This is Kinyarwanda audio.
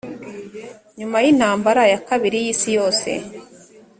nyuma y intambara ya kabiri y isi yose